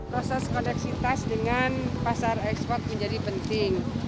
proses koneksitas dengan pasar ekspor menjadi penting